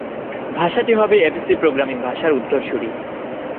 ভাষাটি হবে ABC programming ভাষার উত্তরসূরি।